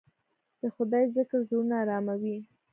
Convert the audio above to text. د خدای ذکر زړونه اراموي.